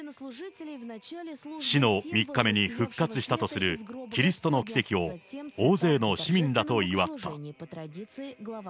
死の３日目に復活したとするキリストの奇跡を大勢の市民らと祝った。